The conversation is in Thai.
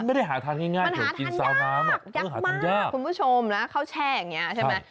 มันไม่ได้หาทานง่ายเหมือนกินเช้าน้ำมันหาทานยากยากมากคุณผู้ชมนะเขาแช่อย่างเงี้ยใช่ไหม